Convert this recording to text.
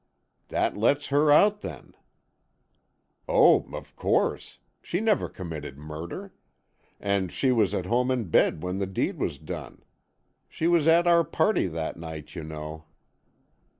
"That lets her out, then." "Oh, of course.... She never committed murder. And, she was at home in bed when the deed was done. She was at our party that night, you know."